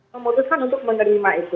memutuskan untuk menerima itu